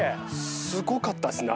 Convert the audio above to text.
すごかったですね